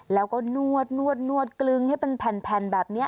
แล้วก็นวดกลึงให้เป็นแผ่นแบบนี้